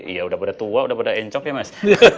iya udah pada tua udah pada encok ya mas